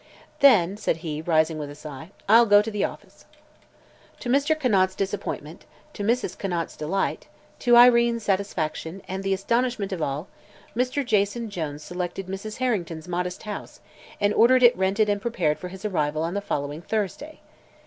"Then," said he, rising with a sigh, "I'll go to the office." To Mr. Conant's disappointment, to Mrs. Conant's delight, to Irene's satisfaction and the astonishment of all, Mr. Jason Jones selected Mrs. Harrington's modest house and ordered it rented and prepared for his arrival on the following Thursday.